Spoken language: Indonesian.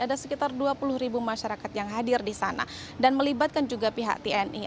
ada sekitar dua puluh ribu masyarakat yang hadir di sana dan melibatkan juga pihak tni